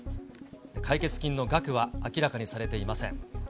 解決金の額は明らかにされていません。